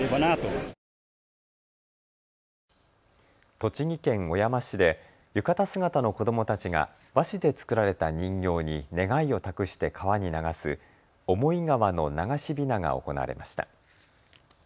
栃木県小山市で浴衣姿の子どもたちが和紙で作られた人形に願いを託して川に流す思川の流しびなが行われました。